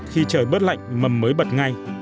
khi trời bớt lạnh mầm mới bật ngay